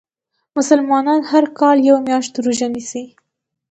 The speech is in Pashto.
مسلمانان هر کال یوه میاشت روژه نیسي .